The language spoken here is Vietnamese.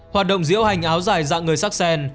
hoạt động diễu hành áo dài dạng người sắc sen